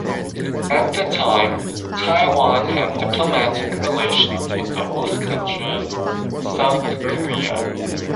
At the time, Taiwan had diplomatic relations with the host country, South Korea.